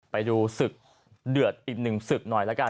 ไปดูศึกเดือดอีกหนึ่งศึกหน่อยละกัน